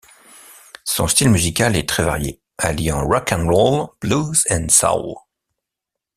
Son style musical est très varié, alliant rock 'n' roll, blues et soul.